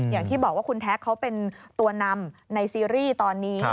อย่างที่บอกว่าคุณแท็กเขาเป็นตัวนำในซีรีส์ตอนนี้